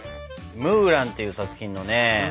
「ムーラン」っていう作品のね